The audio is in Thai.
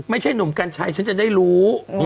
ไม่ใช่หนุ่มกัญชัยฉันจะได้รู้